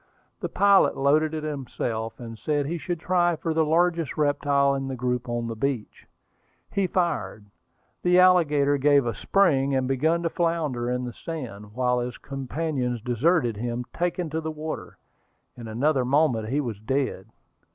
The pilot loaded it himself, and said he should try for the largest reptile in the group on the beach. He fired. The alligator gave a spring, and began to flounder in the sand, while his companions deserted him, taking to the water. In another moment he was dead.